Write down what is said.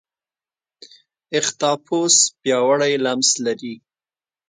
اختاپوس پیاوړی لمس لري.